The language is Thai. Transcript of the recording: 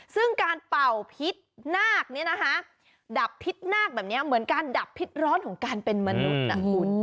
ซึ่งการเป่าพิษนาคเนี่ยนะคะดับพิษนาคแบบนี้เหมือนการดับพิษร้อนของการเป็นมนุษย์นะคุณ